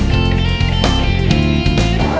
โทษใส่ค่ะ